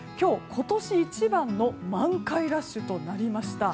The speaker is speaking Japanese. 今年一番の満開ラッシュとなりました。